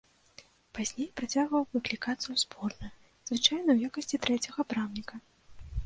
Пазней працягваў выклікацца ў зборную, звычайна ў якасці трэцяга брамніка.